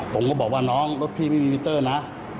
ผมก็บอกว่าน้องรถพี่ไม่มีมิเตอร์นะ